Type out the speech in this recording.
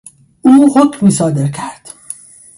او حکمی صادر کرد.